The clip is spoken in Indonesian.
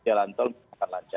jalan tol akan lancar